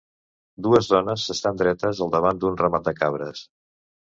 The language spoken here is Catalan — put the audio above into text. Dues dones s'estan dretes al davant d'un ramat de cabres.